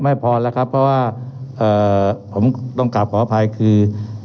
ไม่พอแล้วครับเพราะว่าผมต้องกลับขออภัยคือ